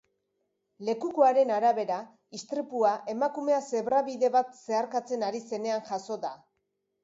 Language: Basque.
Lekukoen arabera, istripua emakumea zebrabide bat zeharkatzen ari zenean jazo da.